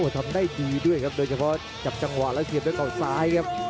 ทำได้ดีด้วยครับโดยเฉพาะจับจังหวะแล้วเสียบด้วยเขาซ้ายครับ